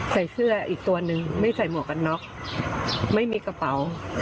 ใส่เสื้ออีกตัวหนึ่งไม่ใส่หมวกกันน็อกไม่มีกระเป๋า